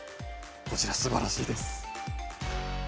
こちらすばらしいです。